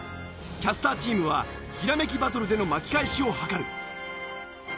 キャスターチームはひらめきバトルでの巻き返しを図る。